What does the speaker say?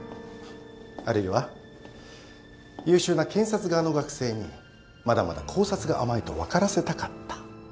あるいは優秀な検察側の学生にまだまだ考察が甘いと分からせたかった。